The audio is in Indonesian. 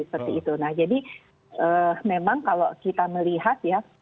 nah jadi memang kalau kita melihat ya